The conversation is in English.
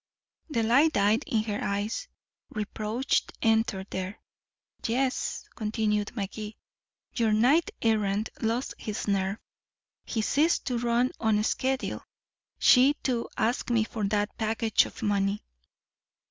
The light died in her eyes. Reproach entered there. "Yes," continued Magee, "your knight errant lost his nerve. He ceased to run on schedule. She, too, asked me for that package of money."